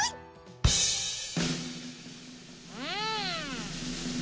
うん。